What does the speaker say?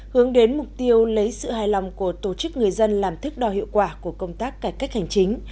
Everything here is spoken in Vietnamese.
hướng đến mục tiêu lấy sự hài lòng của tổ chức người dân làm thức đo hiệu quả của công tác cải cách hành chính